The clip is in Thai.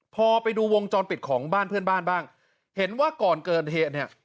พอไปดูวงจรปิดของบ้านเพื่อนบ้านบ้างเห็นว่าก่อนเกิดเหตุเนี่ย